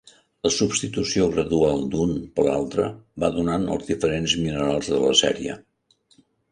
La substitució gradual d'un per altre va donant els diferents minerals de la sèrie.